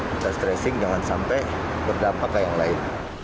kita stressing jangan sampai berdampak ke yang lain